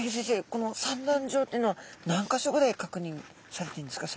この産卵場というのは何か所ぐらい確認されてるんですか？